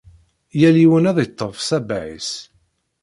Yal yiwen ad iṭef sabaε-is